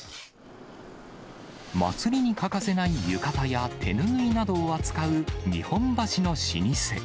祭りに欠かせない浴衣や手拭いなどを扱う日本橋の老舗。